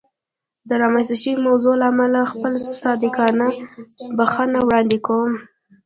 د رامنځته شوې موضوع له امله خپله صادقانه بښنه وړاندې کوم.